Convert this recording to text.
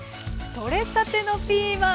取れたてのピーマン。